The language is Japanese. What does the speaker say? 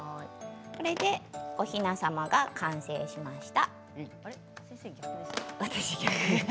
これでおひな様が完成しました。